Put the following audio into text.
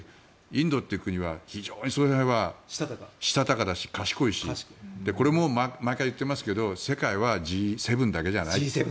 インドっていう国は非常にそういう意味ではしたたかだし、賢いしこれも毎回言っていますが世界はＧ７だけじゃない。